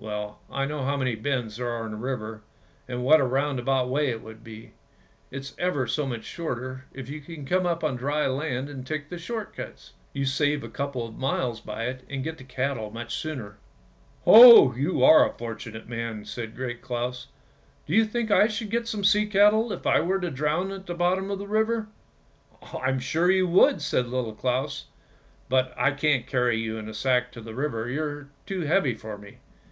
Well, I know how many bends there are in the river and what a roundabout way it would be. It's ever so much shorter if you can come up on dry land and take the short cuts, you save a couple of miles by it, and get the cattle much sooner. " "Oh, you are a fortunate man! " said Great Claus; "do you think I should get some sea cattle if I were to go down to the bottom of the river? "" I'm sure you would," said Little Claus; " but I can't carry you in the sack to the river, you're too heavy for me.